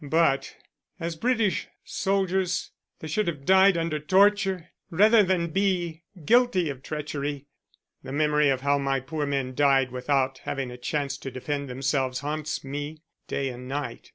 But as British soldiers they should have died under torture rather than be guilty of treachery. The memory of how my poor men died without having a chance to defend themselves haunts me day and night.